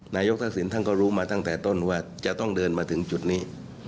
นายกทักษิณท่านก็รู้มาตั้งแต่ต้นว่าจะต้องเดินมาถึงจุดนี้